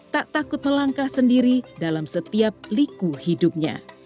tak takut melangkah sendiri dalam setiap liku hidupnya